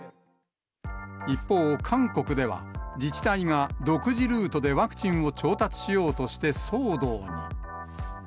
一方、韓国では、自治体が独自ルートでワクチンを調達しようとして騒動に。